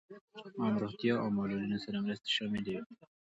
عام روغتیا او معلولینو سره مرستې شاملې وې.